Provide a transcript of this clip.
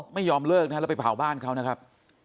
ไม่ยอมเลิกนะครับแล้วไปเผาบ้านเขานะครับ